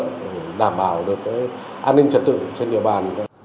để đảm bảo được an ninh trật tự trên địa bàn